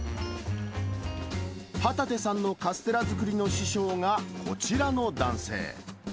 旗手さんのカステラ作りの師匠がこちらの男性。